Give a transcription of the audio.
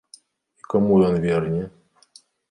І каму ён верне?